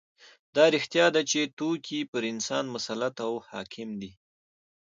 دا رښتیا ده چې توکي پر انسان مسلط او حاکم دي